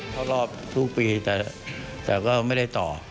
เข้ารอบทุกปีแต่ก็ไม่ได้ต่อ